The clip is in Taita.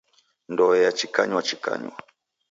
Ndoe yachikanywachikanywa.